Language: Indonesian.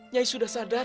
nyai sudah sadar